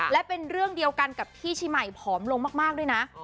และเป็นเรื่องเดียวกันกับที่เชียงใหม่ผอมลงมากด้วยนะ